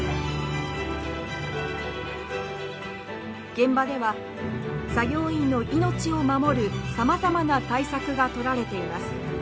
現場では作業員の命を守るさまざまな対策がとられています。